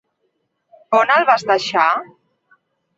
On el vas deixar?